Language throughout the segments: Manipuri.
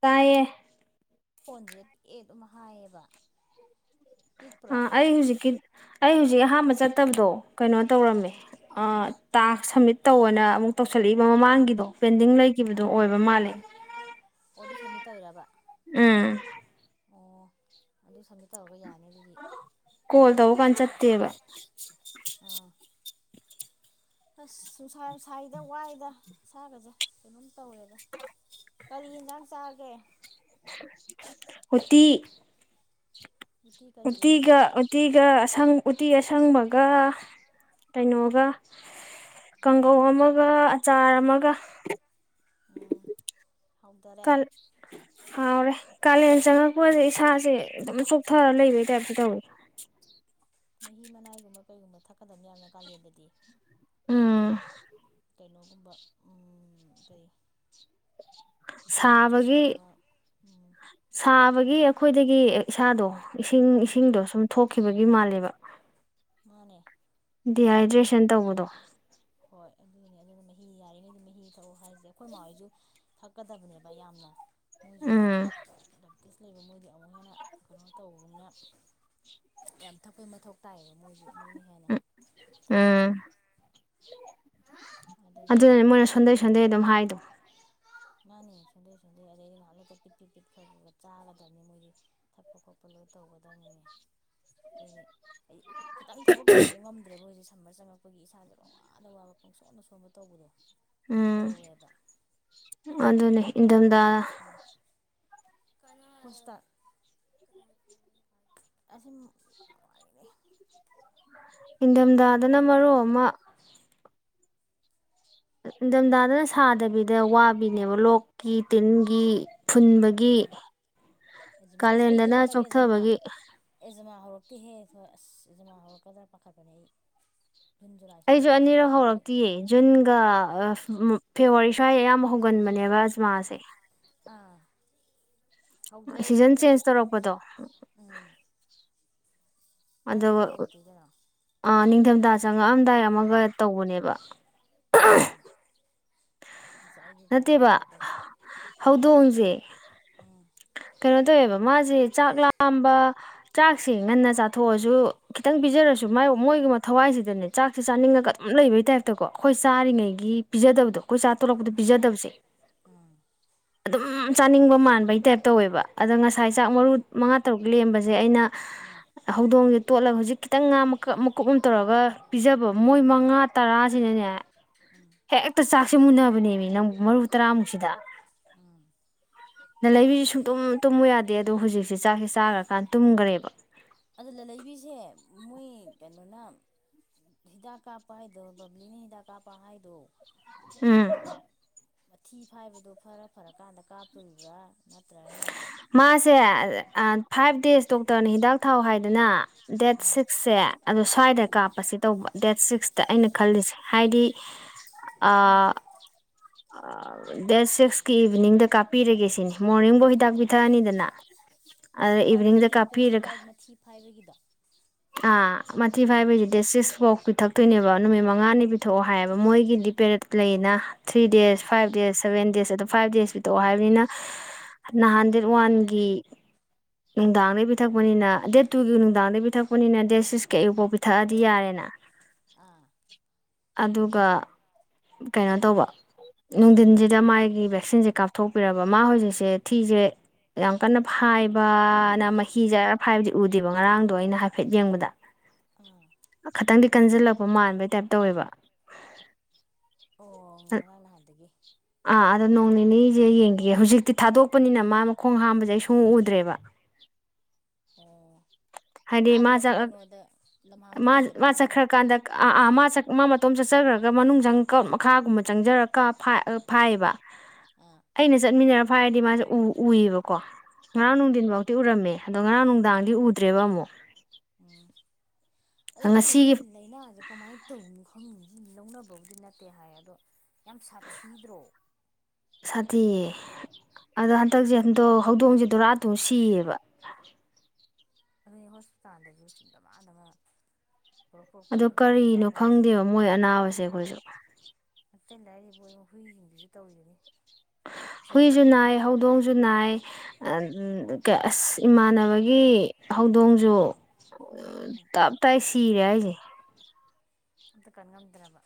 ꯇꯌꯦ ꯀꯣꯟꯖꯦꯠ ꯑꯦꯠ ꯑꯃ ꯍꯥꯏꯌꯦꯕ ꯑ ꯑꯩ ꯍꯧꯖꯤꯀꯤ ꯑꯩ ꯍꯧꯖꯤꯛ ꯑꯍꯥꯟꯕ ꯆꯠꯇꯕꯗꯣ ꯀꯩꯅꯣ ꯇꯧꯔꯝꯃꯦ ꯇꯥ ꯁꯃꯤꯠ ꯇꯧꯅ ꯑꯃꯨꯛ ꯇꯧꯁꯜꯂꯛꯏꯕ ꯃꯃꯥꯡꯒꯤꯗꯣ ꯄꯦꯟꯗꯤꯡ ꯂꯩꯈꯤꯕꯗꯣ ꯑꯣꯏꯕ ꯃꯥꯜꯂꯦ ꯑꯗꯨꯗꯨ ꯁꯃꯤꯇ ꯑꯣꯏꯔꯕ ꯑꯣ ꯑꯗꯨ ꯁꯝꯃꯤꯠ ꯇꯧꯔꯒ ꯌꯥꯅꯤ ꯀꯣꯜ ꯇꯧ ꯀꯥꯟ ꯆꯠꯇꯦꯕ ꯑꯁ ꯅꯨꯡꯁꯥꯅꯨꯡ ꯁꯥꯏꯗ ꯋꯥꯏꯗ ꯁꯥꯒꯁꯦ ꯀꯩꯅꯣꯝ ꯇꯧꯔꯦꯗ ꯀꯔꯤ ꯌꯦꯟꯁꯥꯡ ꯆꯥꯒꯦ ꯍꯣꯇ ꯤꯒꯤꯒ ꯑꯁꯪ ꯎꯇꯤ ꯑꯁꯪꯕꯒ ꯀꯩꯅꯣꯒ ꯀꯥꯡꯒꯧ ꯑꯃꯒ ꯑꯆꯥꯔ ꯑꯃꯒ ꯀꯜꯔꯦ ꯀꯥꯂꯦꯟ ꯆꯪꯉꯛꯄꯁꯦ ꯏꯁꯥꯁꯦ ꯑꯗꯨꯝ ꯆꯣꯛꯊꯔ ꯂꯩꯕꯩ ꯇꯥꯏꯞꯁꯨ ꯇꯧꯏꯤ ꯃꯍꯤ ꯃꯅꯥꯏꯒꯨꯝꯕ ꯀꯩꯒꯨꯝꯕ ꯊꯛꯀꯗꯕꯅꯤ ꯌꯥꯝꯅ ꯀꯥꯂꯦꯟꯗꯗꯤ ꯑꯩꯣꯏ ꯀꯩꯅꯣꯒꯨꯝꯕ ꯀꯔꯤ ꯁꯥꯕꯒꯤ ꯁꯥꯕꯒꯤ ꯑꯩꯈꯣꯏꯗꯒꯤ ꯏꯁꯥꯗꯣ ꯏꯁꯤꯡ ꯏꯁꯤꯡꯗꯣ ꯁꯨꯝ ꯊꯣꯛꯈꯤꯕꯒꯤ ꯑꯗꯨꯒꯤ ꯃꯥꯜꯂꯦꯕ ꯃꯥꯅꯦ ꯗꯤꯍꯥꯏꯗ꯭ꯔꯦꯁꯟ ꯇꯧꯕꯗꯣ ꯑꯗꯨꯅꯦ ꯑꯗꯨꯒ ꯃꯍꯤ ꯌꯥꯔꯤꯉꯩꯗꯤ ꯃꯍꯤ ꯊꯛꯎ ꯍꯥꯏꯁꯦ ꯑꯩꯈꯣꯏ ꯃꯥꯍꯣꯏꯁꯨ ꯊꯛꯀꯗꯕꯅꯦꯕ ꯌꯥꯝꯅ ꯃꯣꯏꯁꯨ ꯂꯩꯕ ꯃꯣꯏꯗꯤ ꯑꯃꯨꯛ ꯍꯦꯟꯅ ꯀꯩꯅꯣ ꯇꯧꯕꯅꯤꯅ ꯌꯥꯝ ꯊꯛꯄꯩ ꯃꯊꯧ ꯇꯥꯏꯕ ꯎ ꯎꯝ ꯑꯗꯨꯅ ꯃꯣꯏꯅ ꯁꯣꯟꯗꯩ ꯁꯣꯟꯗꯩ ꯑꯗꯨꯝ ꯍꯥꯏꯗꯣ ꯃꯥꯅꯤ ꯁꯣꯟꯗꯩ ꯁꯣꯏꯗꯩ ꯑꯗꯩꯗꯤ ꯉꯥꯏꯍꯥꯛ ꯂꯣꯏꯇ ꯄꯤꯠ ꯄꯤꯠ ꯄꯤꯠ ꯈꯔ ꯈꯔ ꯆꯥꯒꯗꯕꯅꯤ ꯃꯣꯏꯒꯤ ꯊꯛꯄ ꯈꯣꯠꯄ ꯂꯣꯏ ꯇꯧꯒꯗꯕꯅꯤꯅꯦ ꯑꯩꯈꯣꯏꯒꯤ ꯑꯩ ꯈꯤꯇꯪ ꯊꯕꯛ ꯇꯧꯕ ꯉꯝꯗ꯭ꯔꯦꯕꯣ ꯍꯧꯖꯤꯛ ꯁꯝꯃꯔ ꯆꯪꯉꯛꯄ ꯑꯩꯈꯣꯏꯒꯤ ꯏꯁꯥꯁꯦ ꯄꯪꯋꯥꯗ ꯋꯥꯕ ꯄꯪꯁꯣꯟꯗ ꯁꯣꯟꯕ ꯇꯧꯕꯗꯣ ꯇꯧꯋꯦꯕ ꯑꯗꯨꯅꯦ ꯅꯤꯡꯊꯝꯊꯥ ꯄꯨꯁꯇꯥ ꯑꯁ [inaudible] ꯏꯪꯊꯝꯊꯥꯗꯅ ꯃꯔꯣꯜ ꯑꯃ ꯏꯪꯊꯝꯊꯥꯗꯅ ꯁꯥꯗꯕꯤꯗ ꯋꯥꯕꯤꯅꯦꯕ ꯂꯣꯛꯀꯤ ꯇꯤꯟꯒꯤ ꯐꯨꯟꯕꯒꯤ ꯀꯥꯂꯦꯟꯗꯅ ꯆꯣꯛꯊꯕꯒꯤ ꯛꯇꯤ ꯍꯦ ꯍꯣꯏ ꯑꯁ ꯏꯃꯥ ꯍꯧꯔꯛꯒꯗ꯭ꯔꯥ ꯄꯥꯈꯠꯄꯅꯦ ꯑꯩ ꯑꯩꯁꯨ ꯑꯅꯤꯔꯛ ꯍꯧꯔꯛꯇꯤꯌꯦ ꯖꯨꯟꯒ ꯐꯦꯕꯋꯥꯔꯤ ꯁ꯭ꯋꯥꯏ ꯑꯌꯥꯝꯕ ꯍꯧꯒꯟꯕ ꯅꯦꯕ ꯑꯦꯖꯃꯥꯁꯦ ꯑꯥ ꯁꯤꯖꯟ ꯆꯦꯟꯖ ꯇꯧꯔꯛꯄꯗꯣ ꯑꯗꯨ ꯑ ꯅꯤꯡꯊꯝꯊꯥ ꯆꯪꯉꯛ ꯆꯪꯉꯛꯑꯝꯗꯥꯏ ꯑꯃꯒ ꯇꯧꯕꯅꯦꯕ ꯑꯆꯥ ꯑꯩꯗꯤ ꯇꯥꯂꯦ ꯍꯔꯣ ꯇꯔꯦ ꯎꯝ ꯀꯩꯅꯣ ꯇꯧꯋꯦꯕ ꯃꯥꯁꯦ ꯆꯥꯛ ꯂꯥꯝꯕ ꯆꯥꯛꯁꯦ ꯉꯟꯅ ꯆꯥꯊꯣꯛꯑꯁꯨ ꯈꯤꯇꯪ ꯄꯤꯖꯔꯁꯨ ꯃꯥꯏ ꯃꯣꯏꯒꯨꯝꯕ ꯊꯋꯥꯏꯁꯤꯗꯅꯦ ꯆꯥꯛꯁꯦ ꯆꯥꯅꯤꯡꯉꯒ ꯑꯗꯨꯝ ꯂꯩꯕꯒꯤ ꯇꯥꯏꯞꯇꯀꯣ ꯑꯩꯈꯣꯏ ꯆꯥꯔꯤꯉꯩꯒꯤ ꯄꯤꯖꯗꯕꯗꯣ ꯑꯩꯈꯣꯏ ꯆꯥ ꯇꯣꯔꯛꯄꯗꯣ ꯄꯤꯖꯗꯕꯁꯦ ꯑꯗꯨꯝ ꯆꯥꯅꯤꯡꯕ ꯃꯥꯟꯕꯒꯤ ꯇꯥꯏꯞ ꯑꯣꯏꯕ ꯑꯗ ꯉꯁꯥꯏ ꯆꯥꯛ ꯃꯔꯨ ꯃꯉꯥ ꯇꯔꯨꯛ ꯂꯦꯝꯕꯁꯦ ꯑꯩꯅ ꯍꯧꯗꯣꯡꯁꯦ ꯍꯧꯖꯤꯛ ꯈꯤꯇꯪ ꯉꯥ ꯃꯀ ꯃꯀꯨꯞ ꯑꯃ ꯇꯧꯔꯒ ꯄꯤꯖꯕ ꯃꯣꯏ ꯃꯉꯥ ꯇꯔꯥꯁꯤꯅꯅꯦ ꯍꯦꯛꯇ ꯆꯥꯛꯁꯦ ꯃꯨꯟꯅꯕꯅꯦꯃꯤ ꯅꯪ ꯃꯔꯨ ꯇꯔꯥꯃꯨꯛꯁꯤꯗ ꯅ ꯂꯩꯕꯤ ꯁꯨꯡ ꯇꯨꯝ ꯇꯨꯝꯃꯨ ꯌꯥꯗꯦ ꯑꯗꯣ ꯍꯧꯖꯤꯛꯁꯦ ꯆꯥꯛꯁꯦ ꯆꯥꯈ꯭ꯔꯀꯥꯟꯗ ꯇꯨꯝꯈ꯭ꯔꯦꯕ ꯑꯗꯨ ꯂꯂꯩꯕꯤꯁꯦ ꯃꯣꯏ ꯀꯩꯅꯣꯅ ꯍꯤꯗꯥꯛ ꯀꯥꯞꯄ ꯍꯥꯏꯗꯣ ꯕꯕ꯭ꯂꯤꯅ ꯍꯤꯗꯥꯛ ꯀꯥꯞꯄ ꯍꯥꯏꯗꯣ ꯎꯝ ꯃꯊꯤ ꯐꯥꯏꯕꯗꯣ ꯈꯔ ꯐꯔꯀꯥꯟꯗ ꯀꯥꯞꯇꯣꯔꯤꯕ꯭ꯔꯥ ꯅꯠꯇ꯭ꯔꯒꯅ ꯃꯥꯁꯦ ꯐꯥꯏꯚ ꯗꯦꯖ ꯗꯣꯛꯇꯔꯅꯦ ꯍꯤꯗꯥꯛ ꯊꯥꯎ ꯍꯥꯏꯗꯅ ꯗꯦꯠ ꯁꯤꯛꯁꯁꯦ ꯑꯗꯨꯣ ꯁ꯭ꯋꯥꯏꯗ ꯀꯥꯞꯄꯁꯤ ꯇꯧꯕ ꯗꯦꯠ ꯁꯤꯛꯁ ꯑꯩꯅ ꯈꯜꯂꯤꯁꯦ ꯍꯥꯏꯗꯤ ꯑ ꯗꯦꯠ ꯁꯤꯛꯁꯀꯤ ꯏꯚꯤꯅꯤꯡꯗ ꯀꯥꯞꯄꯤꯔꯒꯦ ꯁꯤꯅꯤ ꯃꯣꯔꯅꯤꯡꯕꯨ ꯍꯤꯗꯥꯛꯄꯤ ꯊꯅꯤꯗꯅ ꯃꯥꯏ ꯃꯇꯤꯠ ꯃꯊꯤ ꯄꯥꯏ ꯃꯊꯤ ꯐꯥꯏꯕꯒꯤꯗꯣ ꯑꯥ ꯃꯊꯤ ꯐꯥꯏꯕꯩ ꯗꯦꯁꯤꯁ ꯐꯥꯎ ꯄꯤꯊꯛ ꯇꯣꯏꯅꯦꯕ ꯅꯨꯃꯤꯠ ꯃꯉꯥꯅꯤ ꯄꯤꯊꯣꯛꯑꯣ ꯍꯥꯏꯌꯦꯕ ꯃꯣꯏꯒꯤꯗꯤ ꯄꯦꯔꯦꯠ ꯂꯩꯌꯦꯅ three days five days seven days ꯑꯗꯣ ꯐꯥꯏꯚ ꯗꯦꯖ ꯄꯤꯊꯛꯑꯣ ꯍꯥꯏꯕꯅꯤꯅ ꯅꯍꯥꯟ ꯗꯦꯠ ꯋꯥꯟꯒꯤ ꯅꯨꯡꯗꯥꯡꯗꯩ ꯄꯤꯊꯛꯄꯅꯤꯅ ꯗꯦꯠ ꯇꯨꯒꯤ ꯅꯨꯡꯗꯥꯡꯗꯒꯤ ꯄꯤꯊꯛꯄ ꯍꯕꯅꯤꯅ ꯗꯦ ꯁ꯭ꯋꯤꯁ ꯀꯤ ꯑꯌꯨꯛꯐꯥꯎ ꯄꯤꯊꯛꯑꯗꯤ ꯌꯥꯔꯦꯅ ꯑꯗꯨꯒ ꯀꯩꯅꯣ ꯇꯧꯕ ꯅꯨꯡꯊꯤꯟꯁꯤꯗ ꯃꯥꯒꯤ ꯚꯦꯛꯁꯤꯟꯁꯦ ꯀꯥꯞꯊꯣꯛꯄꯤꯔꯕ ꯃꯥ ꯍꯧꯖꯤꯛꯁꯦ ꯊꯤꯁꯦ ꯌꯥꯝ ꯀꯟꯅ ꯐꯥꯏꯕꯅ ꯃꯍꯤ ꯖꯔ ꯐꯥꯏꯕꯗꯤ ꯎꯗꯦꯕ ꯉꯔꯥꯡꯗꯣ ꯑꯩꯅ ꯍꯥꯏ ꯍꯥꯏꯐꯦꯠ ꯌꯦꯡꯕꯗ ꯈꯇꯪꯗꯤ ꯀꯟꯖꯤꯜꯂꯛꯄ ꯃꯥꯟꯕꯩ ꯇꯥꯏꯞ ꯇꯧꯋꯦꯕ ꯑꯥꯥ ꯑꯗꯣ ꯅꯣꯡ ꯅꯤꯅꯤꯖꯦ ꯌꯦꯡꯒꯤꯒꯦ ꯍꯧꯖꯤꯛꯇꯤ ꯊꯥꯗꯣꯛꯄꯅꯤꯅ ꯃꯥ ꯃꯈꯣꯡ ꯍꯥꯝꯕꯁꯦ ꯑꯩ ꯁꯨꯡꯎ ꯎꯗ꯭ꯔꯦꯕ ꯍꯥꯏꯗꯤ ꯃꯥ ꯆꯛ ꯑꯛ ꯃꯥ ꯃꯥ ꯆꯠꯈ꯭ꯔꯀꯥꯟꯗ ꯑꯥ ꯑꯥ ꯃꯥ ꯆꯛ ꯃꯥ ꯃꯠ ꯑꯇꯣꯝ ꯆꯠꯆꯈ꯭ꯔꯒ ꯃꯅꯨꯡ ꯆꯪ ꯀ ꯃꯈꯥꯒꯨꯝꯕ ꯆꯪꯖꯔꯀ ꯐꯥꯏ ꯐꯥꯏꯌꯦꯕ ꯑꯩꯅ ꯆꯠꯃꯤꯟꯅꯔ ꯐꯥꯏꯗꯤ ꯃꯥꯁꯦ ꯎ ꯎꯏꯕꯀꯣ ꯉꯔꯥꯡ ꯅꯨꯡꯊꯤꯟꯐꯧꯇꯤ ꯎꯔꯝꯃꯦ ꯑꯗꯣ ꯉꯔꯥꯡ ꯅꯨꯡꯗꯥꯡꯗꯤ ꯎꯗꯦ ꯇ꯭ꯔꯦꯕꯃꯨ ꯑꯗꯨ ꯈꯪꯗꯦ ꯃꯣꯏꯒꯤ ꯂꯩꯩꯅꯖꯦ ꯀꯃꯥꯏꯅ ꯇꯧꯅꯣ ꯈꯪ ꯃꯃꯁꯤ ꯂꯧꯅꯕꯕꯨꯗꯤ ꯅꯠꯇꯦ ꯍꯥꯏ ꯑꯗꯣ ꯌꯥꯝ ꯁꯥꯊꯤꯗ꯭ꯔꯣ ꯑꯗꯣ ꯍꯟꯗꯛꯁꯦ ꯍꯟꯗꯣ ꯍꯧꯗꯣꯡꯁꯦ ꯗꯨꯔꯥ ꯇꯨ ꯁꯤꯌꯦꯕ ꯑꯗꯨ ꯍꯣꯁꯄꯤꯇꯥꯜꯗꯁꯨ ꯗꯃꯥꯗꯃ ꯑꯗꯣ ꯀꯔꯤꯅꯣ ꯈꯪꯗꯦꯕ ꯃꯣꯏ ꯑꯅꯥꯕꯁꯦ ꯑꯩꯈꯣꯏꯁꯨ ꯑꯇꯩ ꯂꯥꯏꯔꯤꯕꯣ ꯍꯨꯏꯁꯤꯡꯗꯨꯁꯨ ꯇꯧꯔꯤꯗꯨꯅꯤ ꯍꯨꯏꯁꯨꯨꯅꯥꯏ ꯍꯧꯗꯣꯡꯁꯨꯨꯅꯥꯏ ꯑꯁ ꯏꯃꯥꯟꯅꯕꯒꯤ ꯍꯧꯗꯣꯡꯁꯨ ꯎ ꯇꯞ ꯇꯥꯏ ꯁꯤꯔꯦ ꯍꯥꯏꯁꯦ ꯑꯝꯇ ꯀꯟ ꯉꯝꯗꯔ꯭ ꯕ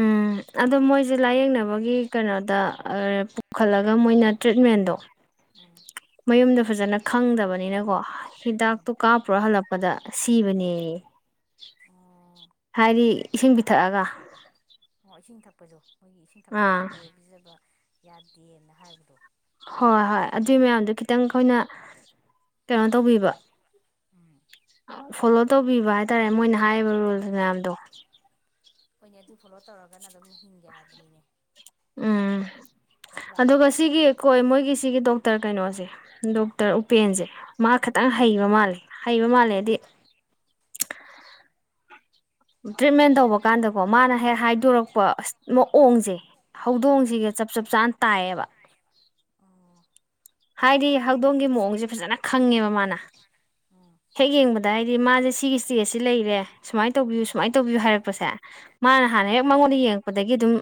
ꯎꯝ ꯑꯗꯣ ꯃꯣꯏꯁꯦ ꯂꯥꯏꯌꯦꯡꯅꯕꯒꯤ ꯀꯩꯅꯣꯗ ꯄꯨꯈꯠꯂꯒ ꯃꯣꯏꯅ ꯇ꯭ꯔꯤꯠꯃꯦꯟꯗꯣ ꯃꯌꯨꯝꯗ ꯐꯖꯅ ꯈꯪꯗꯕꯅꯤꯅꯀꯣ ꯍꯤꯗꯥꯛꯇꯨ ꯀꯥꯞꯄꯨꯔ ꯍꯜꯂꯛꯄꯗ ꯁꯤꯕꯅꯦ ꯍꯥꯏꯗꯤ ꯏꯁꯤꯡ ꯄꯤꯊꯛꯑꯒ ꯍꯣꯏ ꯏꯁꯤꯡ ꯊꯛ ꯄꯨꯖꯣ ꯏꯁꯤꯡ ꯊꯛꯄ ꯌꯥꯗꯦ ꯄꯤꯖꯕ ꯌꯥꯗꯦꯅ ꯍꯥꯏꯕꯗꯣ ꯍꯣꯏ ꯍꯣꯏ ꯑꯗꯨꯏ ꯃꯌꯥꯝꯗꯨ ꯈꯤꯇꯪ ꯑꯩꯈꯣꯏꯅ ꯀꯩꯅꯣ ꯇꯧꯕꯤꯕ ꯎꯝ ꯐꯣꯂꯣ ꯇꯧꯕꯤꯕ ꯍꯥꯏꯇꯥꯔꯦ ꯃꯣꯏꯅ ꯍꯥꯏꯔꯤꯕ ꯔꯨꯜꯁ ꯃꯌꯥꯝꯗꯣ ꯍꯣꯏꯅꯦ ꯑꯗꯨ ꯐꯣꯂꯣ ꯇꯧꯔꯒꯥꯟꯅ ꯑꯗꯨꯝ ꯍꯤꯡꯒꯦ ꯍꯥꯏꯕꯅꯤꯅꯦ ꯎꯝ ꯑꯗꯨꯒ ꯁꯤꯒꯤ ꯈꯣꯏ ꯃꯣꯏꯒꯤ ꯁꯤꯒꯤ ꯗꯣꯛꯇꯔ ꯀꯩꯅꯣꯁꯦ ꯇꯔ ꯎꯄꯦꯟꯁꯦ ꯃꯥ ꯈꯇꯪ ꯍꯩꯕ ꯃꯥꯜꯂꯦ ꯍꯩꯕ ꯃꯥꯜꯂꯦ ꯍꯥꯏꯗꯤ ꯇ꯭ꯔꯤꯠꯃꯦꯟ ꯇꯧꯕ ꯀꯥꯟꯗꯀꯣ ꯃꯥꯅ ꯍꯦꯛ ꯍꯥꯏꯗꯣꯔꯛꯄ ꯑꯁ ꯃꯑꯣꯡꯁꯦ ꯍꯧꯗꯣꯡꯁꯤꯒ ꯆꯞ ꯆꯞ ꯆꯥꯅ ꯇꯥꯏꯌꯦꯕ ꯍꯥꯏꯗꯤ ꯍꯧꯗꯣꯡꯒꯤ ꯃꯑꯣꯡꯁꯦ ꯐꯖꯅ ꯈꯪꯉꯦꯕ ꯃꯥꯅ ꯍꯦꯛ ꯌꯦꯡꯕꯗ ꯍꯥꯏꯗꯤ ꯃꯥꯁꯦ ꯁꯤꯒꯤ ꯏꯁꯇꯦꯖꯁꯤ ꯂꯩꯔꯦ ꯁꯨꯃꯥꯏꯅ ꯇꯧꯕꯤꯌꯨ ꯁꯨꯃꯥꯏꯅ ꯇꯧꯕꯤꯌꯨ ꯍꯥꯏꯔꯛꯄꯁꯦ ꯃꯥꯅ ꯍꯥꯟꯅ ꯍꯦꯛ ꯃꯉꯣꯟꯗ ꯌꯦꯡꯉꯛꯄꯗꯒꯤ ꯑꯗꯨꯝ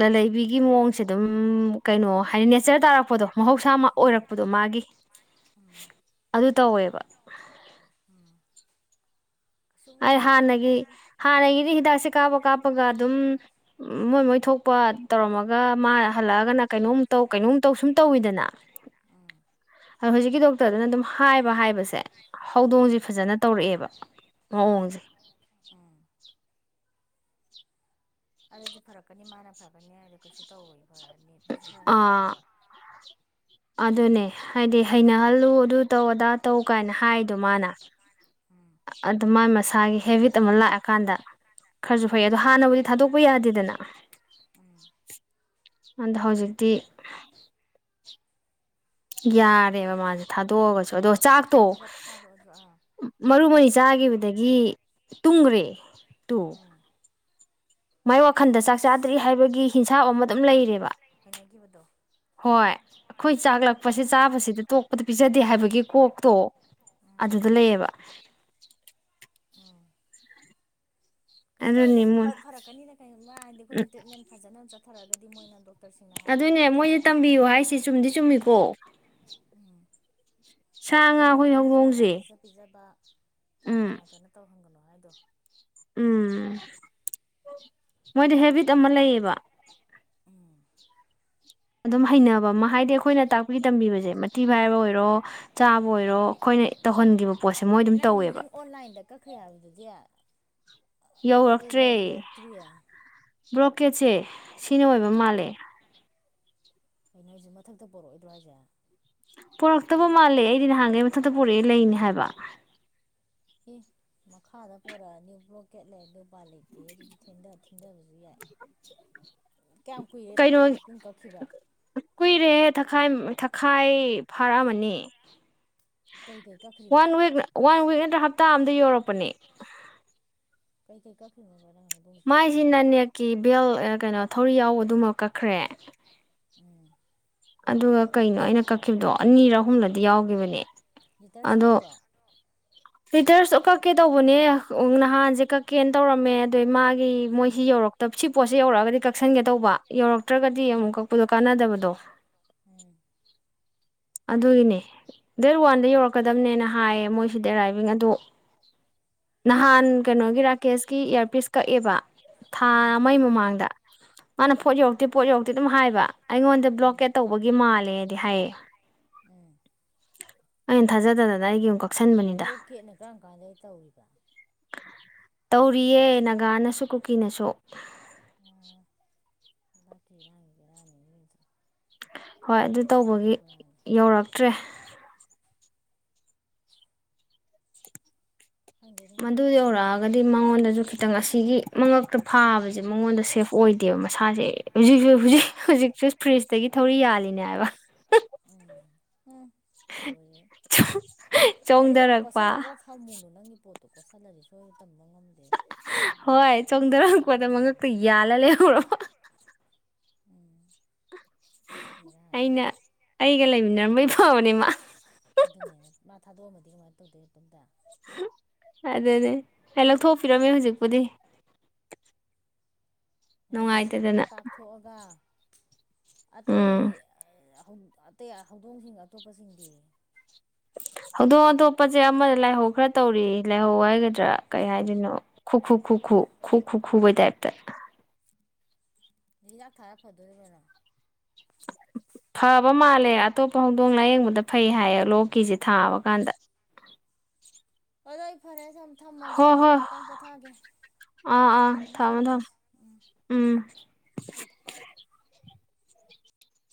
ꯂꯂꯩꯕꯤꯒꯤ ꯃꯑꯣꯡꯁꯦ ꯑꯗꯨꯝ ꯀꯩꯅꯣ ꯍꯥꯏꯗꯤ ꯇꯥꯔꯛꯄꯗꯣ ꯃꯍꯧꯁꯥ ꯃꯥ ꯑꯣꯏꯔꯛꯄꯗꯣ ꯃꯥꯒꯤ ꯑꯗꯨ ꯇꯧꯋꯦꯕ ꯑꯩ ꯍꯥꯟꯅꯒꯤ ꯍꯥꯟꯅꯒꯤꯗꯤ ꯍꯤꯗꯥꯛꯁꯦ ꯀꯥꯞꯄ ꯀꯥꯞꯄꯒ ꯑꯗꯨꯝ ꯃꯣꯏ ꯃꯣꯏ ꯊꯣꯛꯄ ꯇꯧꯔꯝꯃꯒ ꯃꯥ ꯍꯜꯂꯛꯑꯒꯅ ꯀꯩꯅꯣꯝ ꯇꯧ ꯀꯩꯅꯣꯝ ꯇꯧ ꯁꯨꯝ ꯇꯧꯋꯤꯗꯅ ꯑꯗꯣ ꯍꯧꯖꯤꯛꯀꯤ ꯗꯣꯛꯇꯔꯗꯨꯅ ꯑꯗꯨꯝ ꯍꯥꯏꯕ ꯍꯥꯏꯕꯁꯦ ꯍꯧꯗꯣꯡꯁꯦ ꯐꯖꯅ ꯇꯧꯔꯛꯑꯦꯕ ꯃꯑꯣꯡꯁꯦ ꯑꯗꯨꯗꯤ ꯐꯔꯛꯀꯅꯤ ꯃꯥꯅ ꯐꯔꯛꯀꯅꯤ ꯍꯥꯏꯗ ꯀꯩꯁꯨ ꯇꯧꯔꯣꯏꯌꯦ ꯑ ꯑꯗꯨꯅꯦ ꯍꯥꯏꯗꯤ ꯍꯩꯅꯍꯜ ꯑꯗꯨ ꯇꯧ ꯑꯗꯥ ꯇꯧ ꯀꯥꯏꯅ ꯍꯥꯏꯗꯣ ꯃꯥꯅ ꯑꯗꯨ ꯃꯥꯏ ꯃꯁꯥꯒꯤ ꯍꯦꯕꯤꯠ ꯑꯃ ꯂꯥꯛꯑꯀꯥꯟꯗ ꯈꯔꯁꯨ ꯐꯩ ꯑꯗꯣ ꯍꯥꯟꯅꯕꯨꯗꯤ ꯊꯥꯗꯣꯛꯄ ꯌꯥꯗꯦꯗꯅ ꯑꯗ ꯍꯧꯖꯤꯛꯇꯤ ꯌꯥꯔꯦ ꯐꯔꯦꯕ ꯃꯥꯁꯦ ꯊꯥꯗꯣꯛꯑꯒꯁꯨ ꯑꯗꯣ ꯆꯥꯛꯇꯣ ꯃꯔꯨ ꯑꯃ ꯑꯅꯤ ꯆꯥꯈꯤꯕꯗꯒꯤ ꯇꯨꯝꯈ꯭ꯔꯦ ꯇꯨ ꯃꯥꯏ ꯋꯥꯈꯟꯗ ꯆꯥꯛ ꯆꯥꯗ꯭ꯔꯤ ꯍꯥꯏꯕꯒꯤ ꯍꯤꯁꯥꯞ ꯑꯃ ꯑꯗꯨꯝ ꯂꯩꯔꯦꯕ ꯍꯣꯏ ꯆꯥꯛꯂꯛꯄꯁ ꯆꯥꯕꯁꯤꯗ ꯇꯣꯛꯄꯁꯤꯗ ꯄꯤꯖꯗꯦ ꯍꯥꯏꯕꯒꯤ ꯀꯣꯛ ꯇꯣ ꯑꯗꯨꯗ ꯂꯩꯌꯦꯕ ꯀꯩꯁꯨ ꯇꯧꯔꯣꯢꯗ ꯐꯔꯛꯀꯅꯤꯅ ꯀꯩꯒꯨꯝꯕ ꯍꯥꯏꯗꯤ ꯑꯩꯈꯣꯏꯅ ꯇ꯭ꯔꯤꯠꯃꯦꯟ ꯐꯖꯅ ꯆꯠ ꯐꯔꯒꯗꯤ ꯃꯣꯏꯅ ꯑꯗꯨꯝ ꯑꯗꯨꯅꯦ ꯃꯣꯏꯅ ꯇꯝꯕꯤꯌꯨ ꯍꯥꯏꯁꯤ ꯆꯨꯝꯗꯤ ꯆꯨꯝꯃꯤꯀꯣ ꯎꯝ ꯑꯗꯨ ꯅ ꯆꯍꯥꯛ ꯌꯥꯝ ꯄꯤꯖ ꯄꯤꯖꯕ ꯀꯥ ꯍꯦꯟꯅ ꯀꯩꯅꯣ ꯇꯧꯍꯟꯒꯅꯣ ꯑꯗꯨꯥꯏꯗ ꯎꯝ ꯃꯣꯏꯗ ꯍꯦꯕꯤꯠ ꯑꯃ ꯂꯩꯌꯦꯕ ꯎꯝ ꯑꯗꯨꯝ ꯍꯩꯅꯕ ꯑꯃ ꯍꯥꯏꯗꯤ ꯑꯩꯈꯣꯏꯅ ꯇꯥꯛꯄꯤ ꯇꯝꯕꯤꯕꯁꯦ ꯃꯇꯤ ꯄꯥꯏꯕ ꯑꯣꯏꯔꯣ ꯆꯥꯕ ꯑꯣꯏꯔꯣ ꯑꯩꯈꯣꯏꯅ ꯇꯧꯍꯟꯈꯤꯕ ꯑꯦ ꯅꯪꯒꯤ ꯅꯪ ꯑꯣꯟꯂꯥꯏꯟꯗ ꯀꯛꯈ꯭ꯔꯦ ꯍꯥꯏꯕꯗꯨꯗꯤ ꯑꯇ ꯆꯥꯎ ꯌꯛꯇ꯭ꯔꯤꯌꯥ ꯕ꯭ꯂꯣꯛꯀꯦꯠꯁꯦ ꯁꯤꯅ ꯑꯣꯏꯕ ꯃꯥꯜꯂꯦ ꯑꯩ ꯅꯣꯏꯁꯨ ꯃꯊꯛꯇ ꯄꯣꯔꯛꯑꯣꯏꯗ꯭ꯔꯣ ꯍꯥꯏꯁꯦ ꯄꯨꯔꯛꯇꯕ ꯃꯥꯜꯂꯦ ꯑꯩꯗꯤ ꯅꯍꯥꯟꯈꯩ ꯃꯊꯛꯇ ꯄꯔꯛꯑꯦ ꯂꯩꯅꯤ ꯍꯥꯏꯕ ꯑꯦ ꯃꯈꯥꯗ ꯄꯣꯔꯛꯑꯅꯤ ꯕ꯭ꯂꯣꯀꯦꯠ ꯂꯩ ꯑꯗꯨꯄꯥꯥꯟ ꯂꯩꯇꯦ ꯑꯗꯨꯗꯤ ꯊꯤꯟꯊꯕꯁꯨ ꯌꯥꯏ ꯀꯩꯅꯣ ꯀꯨꯏꯔꯧꯍꯦ ꯊꯥꯈꯥꯏ ꯊꯥꯈꯥꯏ ꯐꯥꯔꯛꯑꯃꯅꯤ ꯋꯥꯟꯛ ꯋꯥꯟꯛ ꯅ꯭ꯔ ꯍ ꯍꯥꯞꯇꯑꯃꯅꯤ ꯑꯗꯨ ꯌꯧꯔꯛꯄꯅꯤ ꯀꯤ ꯀ ꯀꯤꯃꯤꯔꯦꯜ ꯃꯥꯏꯁꯤꯅꯅꯦ ꯀꯤ ꯕꯦꯜ ꯑꯀꯩꯅꯣ ꯊꯧꯔꯤ ꯌꯥꯎꯕꯗꯨꯃ ꯀꯛꯈ꯭ꯔꯦ ꯑꯗꯨꯒ ꯀꯩꯅꯣ ꯑꯩꯅ ꯀꯛꯈꯤꯕꯗꯣ ꯑꯅꯤꯔ ꯑꯍꯨꯝꯂꯗꯤ ꯌꯥꯎꯈꯤꯕꯅꯦ ꯂꯤꯇꯔꯁ ꯀꯛꯄ꯭ꯔꯣ ꯑꯗꯣ ꯇꯤꯇꯔꯁꯨ ꯀꯛꯀꯦ ꯇꯧꯕꯅꯦ ꯅꯍꯥꯟꯁꯦ ꯀꯛꯀꯦ ꯇꯧꯔꯝꯃꯦ ꯑꯗꯨ ꯃꯥꯒꯤ ꯃꯣꯏ ꯁꯤ ꯌꯧꯔꯛꯇꯕ ꯁꯤ ꯄꯣꯠꯁꯦ ꯌꯧꯔꯛꯑꯒꯗꯤ ꯀꯛꯁꯟꯒꯦ ꯇꯧꯕ ꯌꯧꯔꯛ ꯅꯠꯇ꯭ꯔꯒꯗꯤ ꯑꯃꯨꯛ ꯀꯛꯄꯗꯣ ꯀꯥꯟꯅꯗꯕꯗꯣ ꯑꯗꯨꯒꯤꯅꯦ ꯗꯨ ꯋꯥꯟ ꯑꯗꯨ ꯌꯧꯔꯛꯀꯗꯕꯅꯦꯅ ꯍꯥꯏꯌꯦ ꯃꯣꯏꯁꯨ ꯗꯦꯔꯥꯏꯚꯤꯡ ꯑꯗꯣ ꯅꯍꯥꯟ ꯀꯩꯅꯣꯒꯤ ꯔꯥꯀꯦꯁꯀꯤ ꯏꯌꯔ ꯄꯤꯁ ꯀꯛꯑꯦꯕ ꯊꯥ ꯑꯃꯩ ꯃꯃꯥꯡꯗ ꯃꯥꯅ ꯄꯣꯠ ꯌꯧꯔꯛꯇꯦ ꯄꯣꯠ ꯌꯧꯔꯛꯇꯦ ꯑꯗꯨꯝ ꯍꯥꯏꯕ ꯑꯩꯉꯣꯟꯗ ꯕ꯭ꯂꯣꯀꯦꯠ ꯇꯧꯕꯒꯤ ꯃꯥꯜꯂꯦꯗꯤ ꯍꯥꯏꯌꯦ ꯑꯩꯟ ꯊꯥꯖꯗꯗꯅ ꯑꯩꯒꯤ ꯑꯃꯨꯛ ꯀꯛꯁꯟꯕꯅꯤꯗ ꯇꯧꯔꯤꯌꯦ ꯅꯒꯥꯅꯁꯨ ꯀꯨꯀꯤꯅꯁꯨ ꯊꯥ ꯂꯩꯕꯥꯛꯀꯤ ꯏꯔꯥꯡꯅꯤ ꯕꯦꯔꯥꯅꯤ ꯅꯣꯏꯒꯤꯗꯣ ꯍꯣꯏ ꯑꯗꯨ ꯇꯧꯕꯒꯤ ꯌꯧꯔꯛꯇ꯭ꯔꯦ꯫ ꯃꯗꯨ ꯌꯧꯔꯛꯑꯒꯗꯤ ꯃꯉꯣꯟꯗꯁꯨ ꯈꯤꯠꯇꯪ ꯑꯁ ꯁꯤꯒꯤ ꯃꯉꯛꯇ ꯐꯥꯕꯁꯦ ꯃꯉꯣꯟꯗ ꯁꯦꯐ ꯑꯣꯏꯗꯦꯕ ꯃꯁꯥꯁꯦ ꯍꯨꯖꯤꯛꯁꯨ ꯍꯨꯖꯤꯛ ꯍꯨꯖꯤꯛꯁꯨ ꯐ꯭ꯔꯤꯖꯇꯒꯤ ꯊꯧꯔꯤ ꯌꯥꯜꯂꯤꯅꯦ ꯍꯥꯏꯕ꯫ ꯎꯝ ꯍꯝ ꯂꯣꯏꯔꯦꯍꯦ ꯑꯗꯨ ꯌꯥꯝ ꯀꯣꯠꯁꯤꯜꯂꯒ ꯊꯝꯃꯨꯅꯨ ꯅꯪꯒꯤ ꯄꯣꯠꯇꯣ ꯑꯗꯨ ꯀꯣꯠꯁꯜꯂꯗꯤꯁꯣꯏ ꯍꯣꯏ ꯆꯣꯡꯊꯔꯛꯄꯗ ꯃꯉꯛꯇ ꯌꯥꯜꯂ ꯂꯩꯍꯧꯔꯣ ꯑꯩꯅ ꯑꯩꯒ ꯂꯩꯃꯤꯟꯅꯔꯝ ꯐꯕꯅꯤꯃꯥ ꯑꯗꯨꯅꯦꯅꯦ ꯃꯥ ꯊꯥꯗꯣꯛꯑꯝ ꯑꯗꯨ ꯀꯃꯥꯏ ꯇꯧꯗꯣꯏ ꯃꯇꯣꯝꯇ ꯑꯗꯨꯅꯤ ꯍꯦ ꯂꯧꯊꯣꯛꯄꯤꯔꯝꯃꯦ ꯍꯧꯖꯤꯛꯄꯨꯗꯤ꯫ ꯍꯥꯟꯅꯩ ꯚꯦꯛꯁꯤꯟꯗꯨꯃ ꯀꯥꯞꯊꯣꯛꯑꯒ ꯑꯇꯩ ꯑꯔꯔ ꯑꯇꯩ ꯍꯧꯗꯣꯡꯁꯤꯡ ꯑꯇꯣꯞꯄꯁꯤꯡꯗꯤ ꯍꯧꯗꯣꯡ ꯑꯇꯣꯞꯄꯖꯦ ꯑꯃꯁꯦ ꯂꯥꯏꯍꯧ ꯈꯔ ꯇꯧꯔꯤꯌꯦ ꯂꯥꯏꯍꯧ ꯍꯥꯏꯒꯗ꯭ꯔꯥ ꯀꯩ ꯍꯥꯏꯗꯅꯣ ꯈꯨꯈꯨ ꯈꯨꯈꯨ ꯈꯨ ꯈꯨ ꯈꯨꯕꯩ ꯇꯥꯏꯞꯇ ꯂꯤꯗꯥꯛ ꯊꯥꯔ ꯐꯗꯣꯢꯔ ꯀꯩꯅꯣ ꯐꯕ ꯃꯥꯜꯂꯦ ꯑꯇꯣꯞꯄ ꯍꯧꯗꯣꯡ ꯂꯥꯏꯌꯦꯡꯕꯗ ꯐꯩ ꯍꯥꯏꯌꯦ ꯂꯣꯛ ꯀꯤꯁꯦ ꯊꯥꯕ ꯀꯥꯟꯗ ꯑꯗꯣ ꯑꯩ ꯐꯔꯦ ꯊꯝꯃꯒꯦ ꯑꯩꯖꯨ ꯉꯛꯇꯪ ꯄꯣꯊꯥꯒꯦ ꯀꯣꯟꯅ ꯑꯃꯨꯛ ꯁꯥꯟꯅꯔꯁꯤ [inaudible]